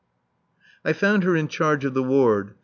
I found her in charge of the ward.